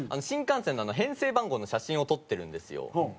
新幹線の編成番号の写真を撮ってるんですよ。